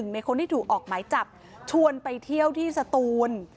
ในคนที่ถูกออกหมายจับชวนไปเที่ยวที่สตูน